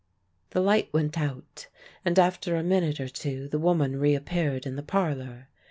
The light went out, and after a minute or two the woman reappeared in the parlour.